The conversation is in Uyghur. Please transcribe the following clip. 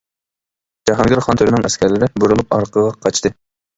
جاھانگىر خان تۆرىنىڭ ئەسكەرلىرى بۇرۇلۇپ ئارقىغا قاچتى.